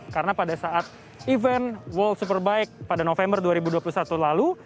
karena pada saat event world superbike pada november dua ribu dua puluh satu lalu